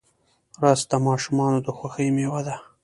رس د ماشومانو د خوښۍ میوه ده